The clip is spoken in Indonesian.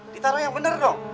ditaruh yang bener dong